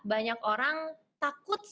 banyak orang takut